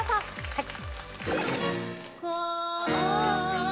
はい。